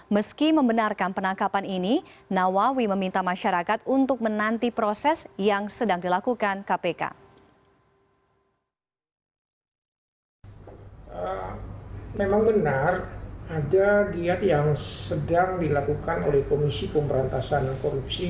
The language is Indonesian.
meski membenarkan penangkapan ini nawawi meminta masyarakat untuk menanti proses yang sedang dilakukan kpk